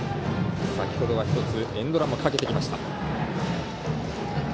先ほどは１つエンドランもかけてきました。